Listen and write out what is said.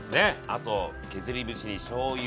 あと削り節にしょうゆも。